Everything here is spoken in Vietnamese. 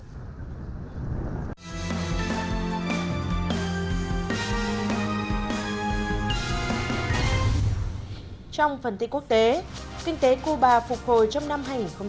trong phần tiết quốc tế kinh tế cuba phục hồi trong năm hai nghìn một mươi bảy